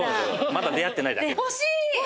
まだ出会ってないだけ。